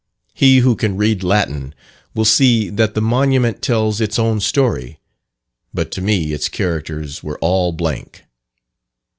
He who can read Latin will see that the monument tells its own story, but to me its characters were all blank.